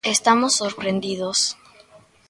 Estamos sorprendidos.